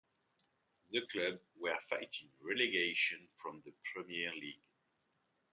The club were fighting relegation from the Premier League.